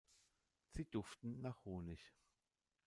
Sie duften nach Honig.